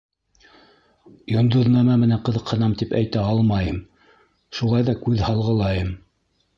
Йондоҙнамә менән ҡыҙыҡһынам, тип әйтә алмайым, шулай ҙа күҙ һалғылайым.